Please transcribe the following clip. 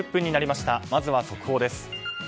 まずは速報です。